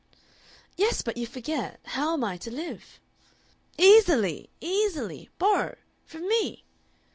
"Yes, but you forget; how am I to live?" "Easily. Easily.... Borrow.... From me."